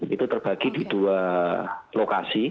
itu terbagi di dua lokasi